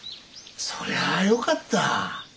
そりゃよかった。